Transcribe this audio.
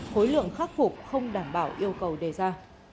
khối lượng khắc phục không đảm bảo yêu cầu đề ra